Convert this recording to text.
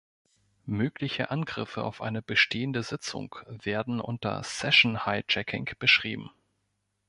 Mögliche Angriffe auf eine bestehende Sitzung werden unter Session Hijacking beschrieben.